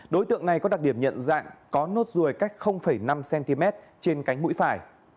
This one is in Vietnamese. đối tượng này có đặc điểm nhận dạng có nốt ruồi cách năm cm trên cánh mũi phải